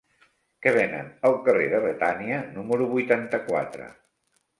Què venen al carrer de Betània número vuitanta-quatre?